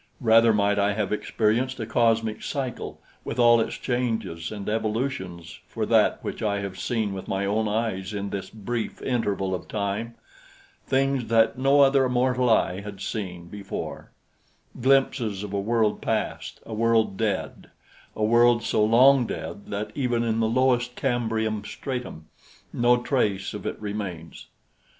Rather might I have experienced a cosmic cycle, with all its changes and evolutions for that which I have seen with my own eyes in this brief interval of time things that no other mortal eye had seen before, glimpses of a world past, a world dead, a world so long dead that even in the lowest Cambrian stratum no trace of it remains.